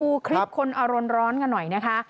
ดูคลิปคนอารมณ์ร้อนกันหน่อยนะคะ